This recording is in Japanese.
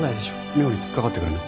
妙につっかかってくるな。